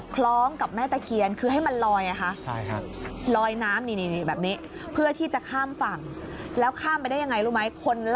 คล้องกับแม่ตะเคียนคือให้มันลอยไงคะ